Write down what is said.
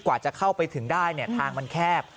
กว่าจะเข้าไปถึงได้ทางมันแคบ